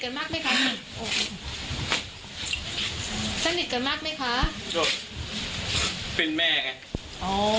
สนิทกันมากไหมคะเป็นแม่ไงอ๋อ